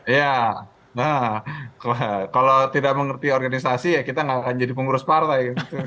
iya nah kalau tidak mengerti organisasi ya kita nggak akan jadi pengurus partai